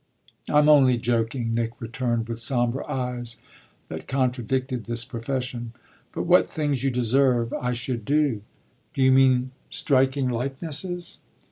"I'm only joking," Nick returned with sombre eyes that contradicted this profession. "But what things you deserve I should do!" "Do you mean striking likenesses?"